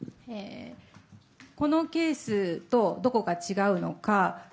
このケースとどこが違うのか。